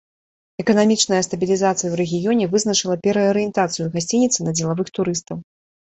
Эканамічная стабілізацыя ў рэгіёне вызначыла пераарыентацыю гасцініцы на дзелавых турыстаў.